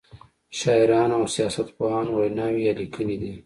شاعرانو او سیاست پوهانو ویناوی یا لیکنې دي.